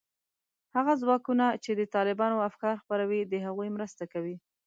هغه ځواکونو چې د طالبانو افکار خپروي، د هغوی مرسته کوي